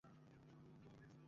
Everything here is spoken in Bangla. গায়েত্রী, তুমি শান্ত হও।